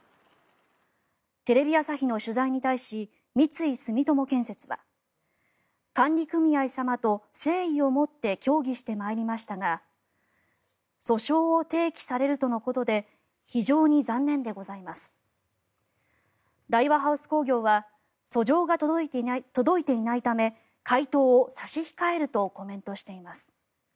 テレビ朝日の取材に対し三井住友建設は管理組合様と誠意を持って協議してまいりましたが訴訟を提起されるとのことで非常に残念でございます大和ハウス工業は訴状が届いていないため回答を差し控えるとコメントしています。